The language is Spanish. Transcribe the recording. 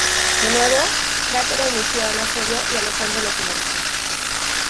De nuevo, Crátero inició el asedio y Alejandro lo finalizó.